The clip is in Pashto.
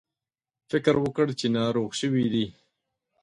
فکر وکړ چې ناروغ شوي دي.